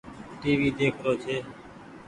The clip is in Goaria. ٽي وي ۮيک رو ڇي۔